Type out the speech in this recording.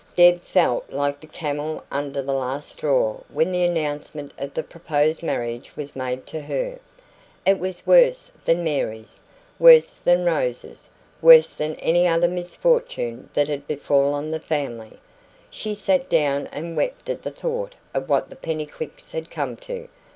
Deb felt like the camel under the last straw when the announcement of the proposed marriage was made to her. It was worse than Mary's worse than Rose's worse than any other misfortune that had befallen the family. She sat down and wept at the thought of what the Pennycuicks had come to.